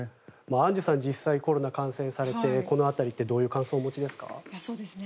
アンジュさん実際コロナに感染されてこの辺りってどういう感想を持ちますか？